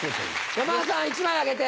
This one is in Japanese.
山田さん１枚あげて。